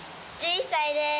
１１歳です。